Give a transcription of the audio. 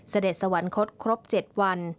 เสด็จสวรรคตครบ๗วัน